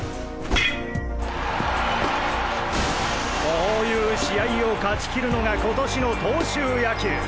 こういう試合を勝ち切るのが今年の東秀野球！